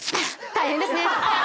「大変ですね」